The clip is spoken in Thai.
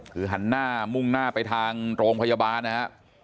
คือหันหน้ามุ่งหน้าไปทางโรงพยาบาลนะฮะ